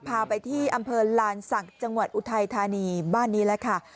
พาไปที่อำเภอลานศักดิ์จังหวัดอุทัยธานีบ้านนี้แหละค่ะ